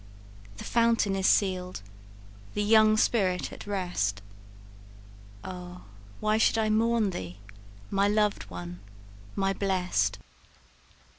The fountain is seal'd, the young spirit at rest, Oh, why should I mourn thee, my lov'd one my blest!"